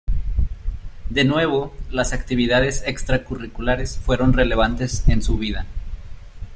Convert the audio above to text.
De nuevo, las actividades extracurriculares fueron relevantes en su vida.